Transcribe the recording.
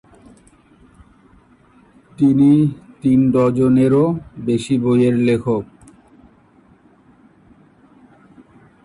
তিনি তিন ডজনেরও বেশি বইয়ের লেখক।